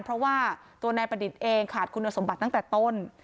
เพราะว่าตัวนายประดิษฐ์เองขาดคุณสมบัติตั้งแต่ต้น